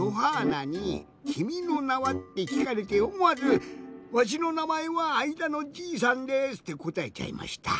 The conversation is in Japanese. なに「君の名は。」ってきかれておもわず「わしのなまえはあいだのじいさんです」ってこたえちゃいました。